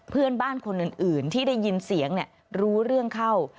เพื่อนบ้านคนอื่นที่ได้ยินเสียงรู้เรื่องเข้า